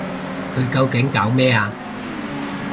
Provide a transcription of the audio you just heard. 佢究竟搞咩啊？